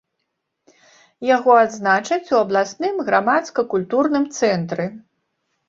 Яго адзначаць у абласным грамадска-культурным цэнтры.